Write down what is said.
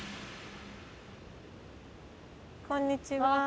こんにちは。